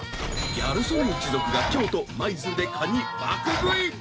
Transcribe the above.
ギャル曽根一族が京都・舞鶴でカニ爆食い。